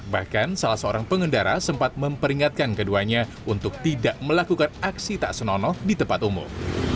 bahkan salah seorang pengendara sempat memperingatkan keduanya untuk tidak melakukan aksi tak senonoh di tempat umum